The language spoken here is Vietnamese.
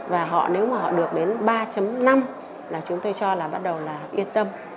và họ nếu mà họ được đến ba năm là chúng tôi cho là bắt đầu là yên tâm